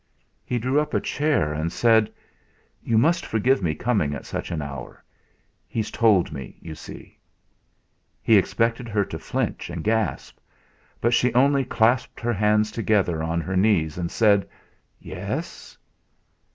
He drew up a chair and said: "You must forgive me coming at such an hour; he's told me, you see." He expected her to flinch and gasp; but she only clasped her hands together on her knees, and said: "Yes?"